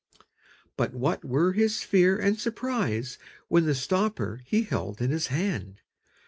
_] But what were his fear and surprise When the stopper he held in his hand!